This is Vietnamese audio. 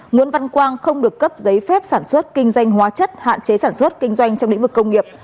nguyễn văn quang không được cấp giấy phép sản xuất kinh doanh hóa chất hạn chế sản xuất kinh doanh trong lĩnh vực công nghiệp